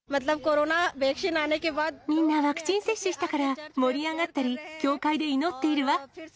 みんなワクチン接種したから、盛り上がったり、教会で祈ってるわ。